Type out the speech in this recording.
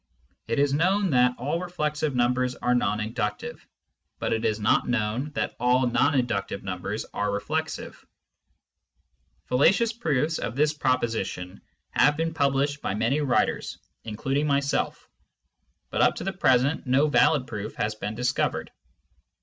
It is known that all reflexive numbers are non inductive, but it rs not known that all non inductive numbers are reflexive. Fallacious proofs Digitized by Google THE POSITIVE THEORY OF INFINITY 199 of this proposition have been published by many writers, including myself, but up to the present no valid proof has been discovered.